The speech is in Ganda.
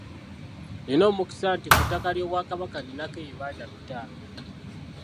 Nina omukisa nti ku ttaka ly’Obwakabaka ninako ebibanja bitaano.